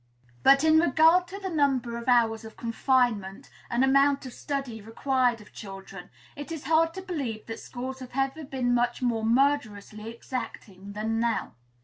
But in regard to the number of hours of confinement, and amount of study required of children, it is hard to believe that schools have ever been much more murderously exacting than now.